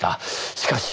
しかし。